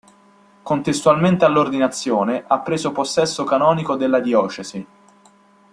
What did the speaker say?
Contestualmente all'ordinazione, ha preso possesso canonico della diocesi.